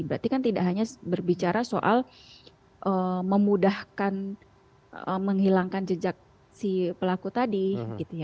berarti kan tidak hanya berbicara soal memudahkan menghilangkan jejak si pelaku tadi gitu ya